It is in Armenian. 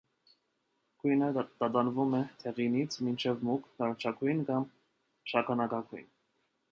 Գույնը տատանվում է դեղինից մինչև մուգ նարնջագույն կամ շագանակագույն։